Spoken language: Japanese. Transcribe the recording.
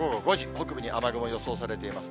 北部に雨雲、予想されています。